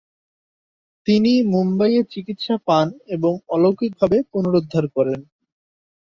তিনি মুম্বাইয়ে চিকিৎসা পান এবং অলৌকিকভাবে পুনরুদ্ধার করেন।